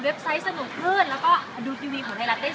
โพสแกทแอปพลิเคชันเคตุเอกไออาร์ให้